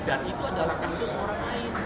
dan itu adalah kasus orang lain